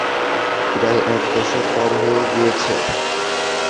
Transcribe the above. প্রায় এক দশক পার হয়ে গিয়েছে।